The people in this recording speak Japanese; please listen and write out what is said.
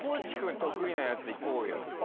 地君得意なやつ行こうよ。